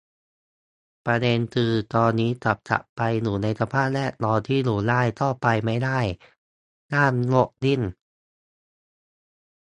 ประเด็นคือ ตอนนี้จะกลับไปอยู่ในสภาพแวดล้อมที่อยู่ได้ ก็ไปไม่ได้ ห้ามรถวิ่ง